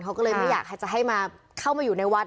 เขาก็เลยไม่อยากจะให้มาเข้ามาอยู่ในวัด